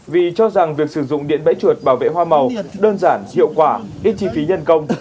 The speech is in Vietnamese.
vì cho rằng việc sử dụng điện bẫy chuột bảo vệ hoa màu đơn giản hiệu quả ít chi phí nhân công